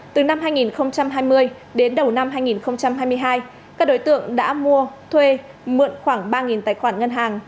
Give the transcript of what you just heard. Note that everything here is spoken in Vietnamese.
từ năm hai nghìn hai mươi đến đầu năm hai nghìn hai mươi hai các đối tượng đã mua thuê mượn khoảng ba tài khoản ngân hàng